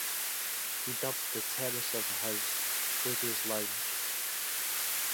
He dubbed the terrace of the house, Voodoo's Lounge.